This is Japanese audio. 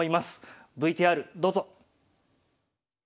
ＶＴＲどうぞ。